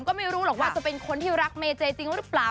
ก็ไม่รู้หรอกว่าจะเป็นคนที่รักเมเจจริงหรือเปล่า